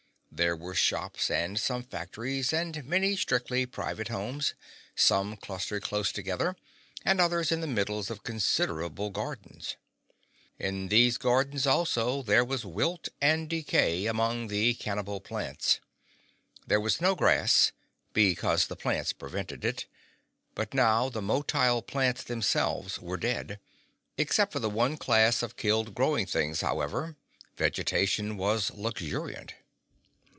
There were shops and some factories, and many strictly private homes, some clustered close together and others in the middles of considerable gardens. In those gardens also there was wilt and decay among the cannibal plants. There was no grass, because the plants prevented it, but now the motile plants themselves were dead. Except for the one class of killed growing things, however, vegetation was luxuriant.